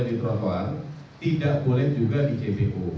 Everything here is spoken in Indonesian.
jadi tidak boleh di trotoar tidak boleh juga di jbo